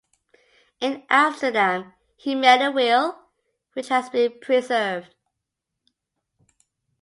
In Amsterdam he made a will, which has been preserved.